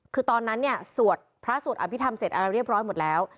คือตอนนั้นเนี่ยสวดพระสวดอภิษฐรรมเสร็จอะไรเรียบร้อยหมดแล้ว